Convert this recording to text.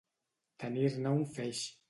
Tenir-ne un feix.